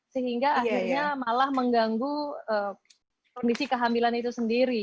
sehingga akhirnya malah mengganggu kondisi kehamilan itu sendiri